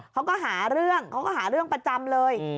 เขาก็หาเรื่องประจำเลย